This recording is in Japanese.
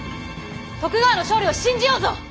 徳川の勝利を信じようぞ！